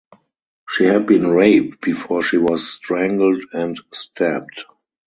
She had been raped before she was strangled and stabbed.